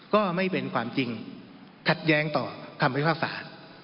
ก็ไม่เป็นความจริงขัดแย้งต่อคำพิพากษา